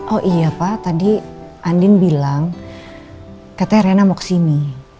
oh iya pak tadi andin bilang katanya rena mau kesini